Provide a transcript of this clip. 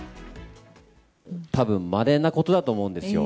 たぶんまれなことだと思うんですよ。